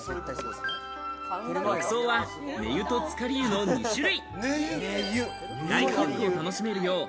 浴槽は寝湯とつかり湯の２種類。